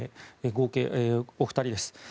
合計お二人です。